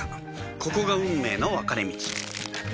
ここが運命の分かれ道